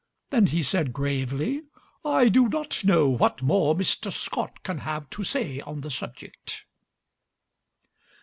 Then he said gravely: "I do not know what more Mr. Scott can have to say on the subject."